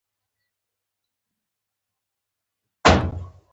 آیا دوی خپل معبدونه نلري؟